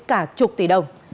cả chục tỷ đồng